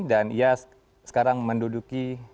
dan ia sekarang menduduki